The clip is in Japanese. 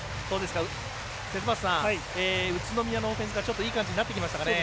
節政さん、宇都宮のオフェンスがちょっといい感じになってきましたかね。